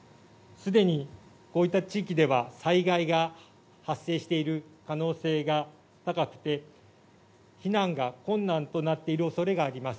すでにこういった地域では、災害が発生している可能性が高くて、避難が困難となっているおそれがあります。